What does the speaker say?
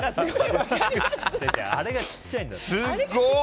あれがちっちゃいんだよ。